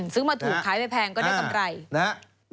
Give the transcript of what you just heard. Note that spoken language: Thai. ซื้อมาถูกขายไปแพงก็ได้กำไร